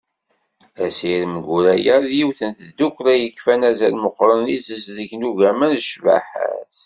Asirem Guraya d yiwet n tdukkla i yefkan azal meqqren i tezdeg n ugama d ccbaḥa-s.